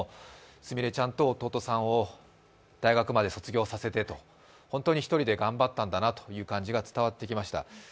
すみれちゃんと弟さんを大学まで卒業させてと本当に１人で頑張ったんだなという感じが伝わってきました。